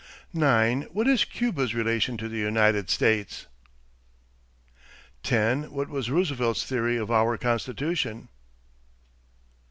9. What is Cuba's relation to the United States? 10. What was Roosevelt's theory of our Constitution?